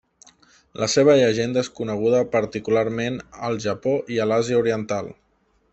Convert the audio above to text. La seva llegenda és coneguda particularment al Japó i a l'Àsia oriental.